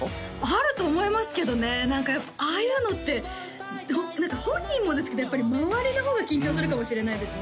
あると思いますけどね何かああいうのって本人もですけどやっぱり周りの方が緊張するかもしれないですね